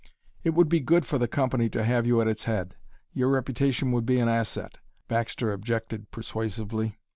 "It would be good for the company to have you at its head; your reputation would be an asset," Baxter objected persuasively.